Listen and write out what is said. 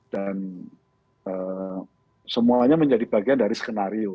dan semuanya menjadi bagian dari skenario